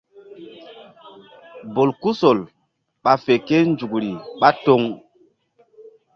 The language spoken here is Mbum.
Bolkusol ɓa fe kénzukri ɓá toŋ.